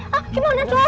hah gimana dong